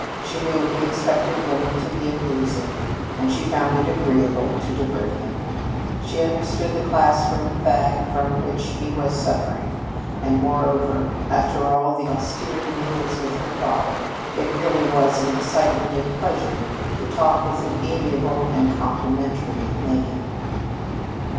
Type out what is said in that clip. She knew he expected women to be amusing, and she found it agreeable to divert him. She understood the classroom fag from which he was suffering; and, moreover, after all those austere meals with her father, it really was an excitement and a pleasure to talk with an amiable and complimentary man.